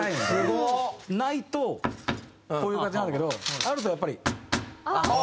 こういう感じなんだけどあるとやっぱり。